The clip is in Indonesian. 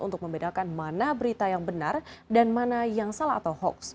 untuk membedakan mana berita yang benar dan mana yang salah atau hoax